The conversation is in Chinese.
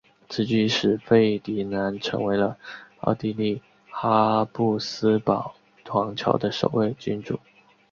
此举使费迪南成为了奥地利哈布斯堡皇朝的首位君主。